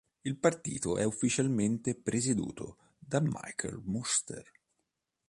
Il partito è ufficialmente presieduto da Michael Muster.